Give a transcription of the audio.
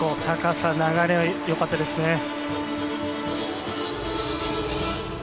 高さ、流れ、よかったですね。